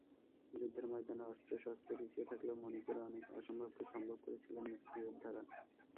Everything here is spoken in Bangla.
যুদ্ধের ময়দানে অস্ত্রশস্ত্রে পিছিয়ে থাকলেও মনের জোরে অনেক অসম্ভবকে সম্ভব করেছিলেন মুক্তিযোদ্ধারা।